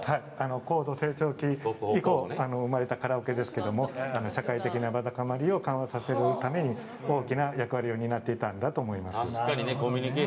高度成長期以降生まれたカラオケですけれども社会的なわだかまりを緩和させるために大きな役割を担っていたんだと思います。